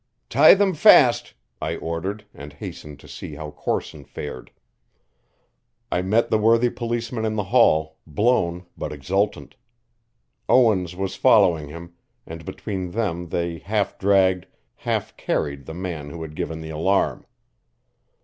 "Tie them fast," I ordered, and hastened to see how Corson fared. I met the worthy policeman in the hall, blown but exultant. Owens was following him, and between them they half dragged, half carried the man who had given the alarm.